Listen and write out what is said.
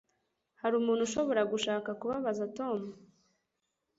Hari umuntu ushobora gushaka kubabaza Tom?